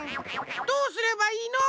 どうすればいいの？